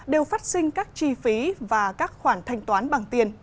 đều phát sinh các chi phí và các khoản thanh toán bằng tiền